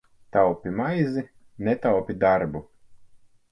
Taupi maizi, netaupi darbu!